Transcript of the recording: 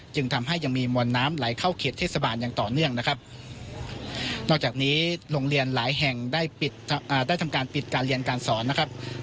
จึงทำให้ยังมีมวลน้ำไหลเข้าเขตเทศบาลอย่างต่อเนื่องนะครับนอกจากนี้โรงเรียนหลายแห่งได้ปิดได้ทำการปิดการเรียนการสอนนะครับ